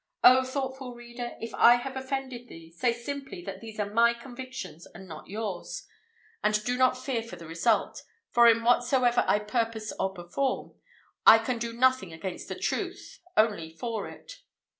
O, thoughtful reader! if I have offended thee, say simply that these are my convictions and not yours, and do not fear for the result; for in whatsoever I purpose or perform, I "can do nothing against the Truth only for it."